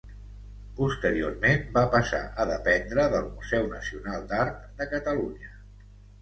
Posteriorment, va passar a dependre del Museu Nacional d’Art de Catalunya.